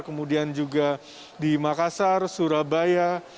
kemudian juga di makassar surabaya